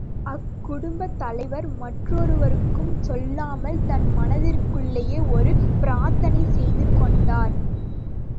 அக்குடும்பத்தலைவர் மற்றொருவருக்கும் சொல்லாமல் தன் மனதிற்குள்ளேயே ஒரு பிரார்த்தனை செய்து கொண்டார்.